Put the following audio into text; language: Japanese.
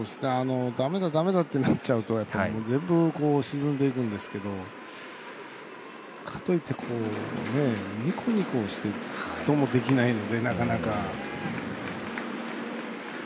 だめだだめだってなっちゃうと、全部沈んでいくんですけどかといってニコニコしてともできないので、なかなか。